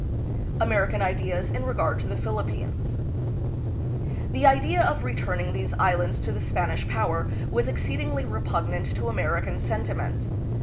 American Ideas in Regard to the Philippines. The idea of returning these islands to the Spanish power was exceedingly repugnant to American sentiment.